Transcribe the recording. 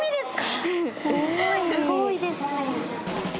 すごいですね。